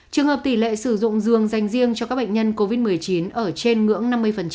trường hợp tỷ lệ sử dụng giường dành riêng cho các bệnh nhân covid một mươi chín ở trên ngưỡng năm mươi